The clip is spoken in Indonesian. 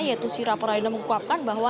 yaitu siraporan yang menguapkan bahwa